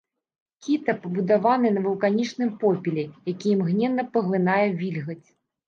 Кіта пабудаваны на вулканічным попеле, які імгненна паглынае вільгаць.